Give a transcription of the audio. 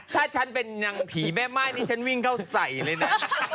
ถ้าฉันเป็นหลังผีแม่ไม้นี่ฉันวิ่งเขาใส่เลยนะ